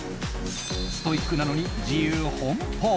ストイックなのに自由奔放。